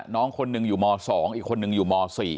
น้องคนหนึ่งอยู่ม๒อีกคนนึงอยู่ม๔